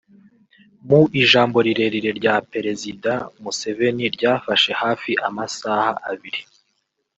Mu ijambo rirerire rya Perezida Museveni ryafashe hafi amasaha abiri